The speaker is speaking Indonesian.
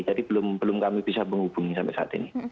jadi belum kami bisa menghubungi sampai saat ini